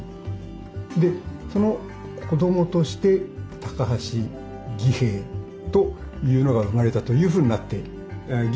でその子供として橋儀平というのが生まれたというふうになっている。